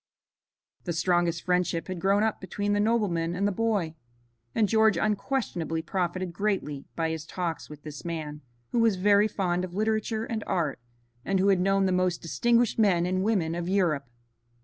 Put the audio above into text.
The strongest friendship had grown up between the nobleman and the boy, and George unquestionably profited greatly by his talks with this man, who was very fond of literature and art, and who had known the most distinguished men and women of Europe.